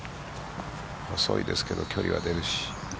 細いですけど距離は出るし。